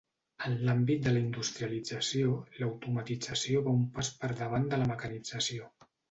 En l'àmbit de la industrialització, l'automatització va un pas per davant de la mecanització.